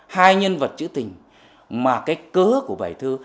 hai nhân vật chữ tình mà cái cớ của bài thơ